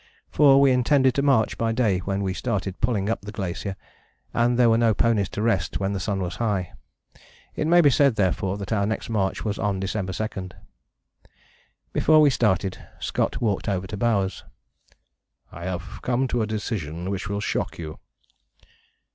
For we intended to march by day when we started pulling up the glacier, and there were no ponies to rest when the sun was high. It may be said therefore that our next march was on December 2. Before we started Scott walked over to Bowers. "I have come to a decision which will shock you."